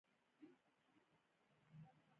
انډریو کارنګي د سړې هوا له امله ګرمې جامې درلودې